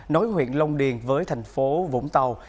nối huyện long điền với thành phố vũng tàu